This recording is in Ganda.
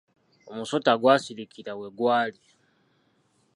Omusota gwasirikira we gwali.